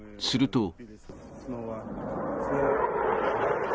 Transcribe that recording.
すると。